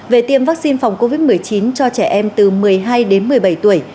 về tiêm vaccine phòng covid một mươi chín cho trẻ em từ một mươi hai đến một mươi bảy tuổi